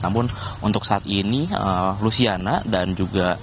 namun untuk saat ini luciana dan juga